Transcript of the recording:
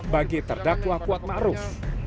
bagi terdakwa kuatma aruf